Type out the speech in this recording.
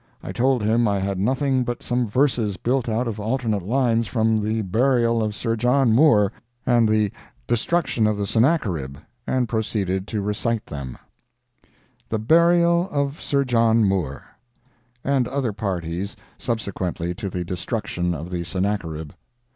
I told him I had nothing but some verses built out of alternate lines from the "Burial of Sir John Moore" and the "Destruction of the Sennacherib," and proceeded to recite them: THE BURIAL OF SIR JOHN MOORE And other parties, subsequently to the Destruction of the Sennacherib.